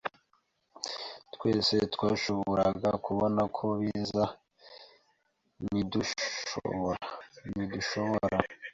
Twese twashoboraga kubona ko biza, ntidushobora?